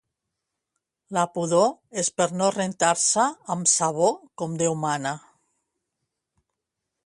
La pudor és per no rentar-se amb sabó com deu mana